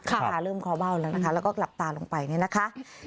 ตาเริ่มคอเบ้าแล้วนะคะแล้วก็หลับตาลงไปเนี่ยนะคะ